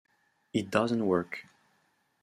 It doesn't work.